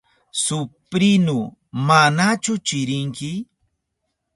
Suprinu, ¿manachu chirinki?